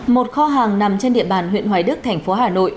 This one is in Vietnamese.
một kho hàng nằm trên địa bàn huyện hoài đức thành phố hà nội